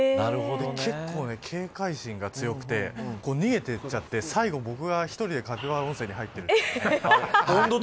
結構、警戒心が強くて逃げていっちゃって最後僕が一人でカピバラ温泉に入ってるんです。